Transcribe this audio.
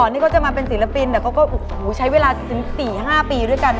ก่อนที่เขาจะมาเป็นศิลปินเดี๋ยวก็ใช้เวลา๔๕ปีด้วยกัน